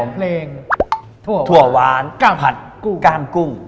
และเพลงถั่วหวานผัดกล้ามกุ้ง